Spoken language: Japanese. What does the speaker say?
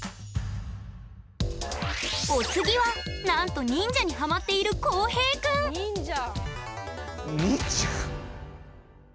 お次はなんと忍者にハマっている航平くん忍者！